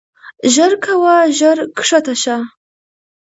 ژر کوه ژر کښته شه.